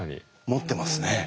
持ってますね。